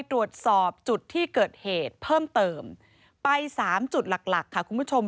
ตรวจสอบจุดที่เกิดเหตุเพิ่มเติมไปสามจุดหลักหลักค่ะคุณผู้ชม